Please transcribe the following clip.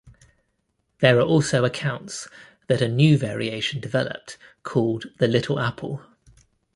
There are also accounts that a new variation developed called the Little Apple.